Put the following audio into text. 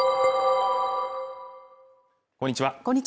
こんにちは